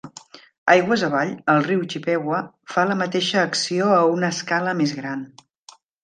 Aigües avall, el riu Chippewa fa la mateixa acció a una escala més gran.